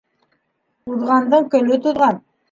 Уҙғандың көлө туҙған.